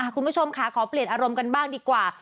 คุณผู้ชมค่ะขอเปลี่ยนอารมณ์กันบ้างดีกว่า